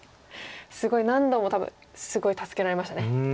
すごい何度も多分すごい助けられましたね。